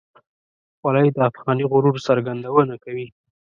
خولۍ د افغاني غرور څرګندونه کوي.